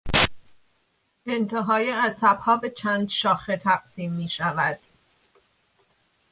انتهای عصبها به چند شاخه تقسیم میشود.